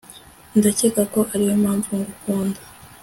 ndakeka ko ariyo mpamvu ngukunda